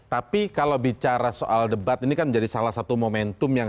oke tapi kalau bicara soal debat ini kan menjadi salah satu manfaatnya ya